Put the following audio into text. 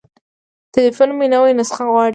تليفون مې نوې نسخه غواړي.